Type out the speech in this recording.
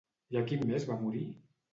I a quin mes va morir?